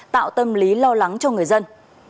tạo tâm lý lo lắng cho người dân